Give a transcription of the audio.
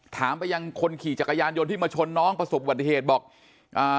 ถามไปยังคนขี่จักรยานยนต์ที่มาชนน้องประสบวัติเหตุบอกอ่า